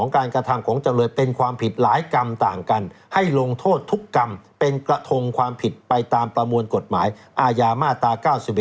การกระทำของจำเลยเป็นความผิดหลายกรรมต่างกันให้ลงโทษทุกกรรมเป็นกระทงความผิดไปตามประมวลกฎหมายอาญามาตรา๙๑